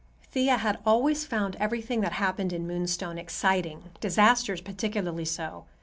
Thea had always found everything that happened in Moonstone exciting, disasters particularly so.